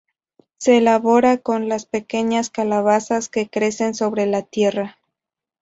Se elabora con las pequeñas calabazas que crecen sobre la tierra.